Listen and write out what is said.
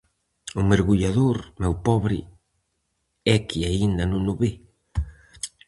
O mergullador, meu pobre, é que aínda non o ve?